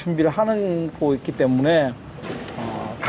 tapi dari sisi liga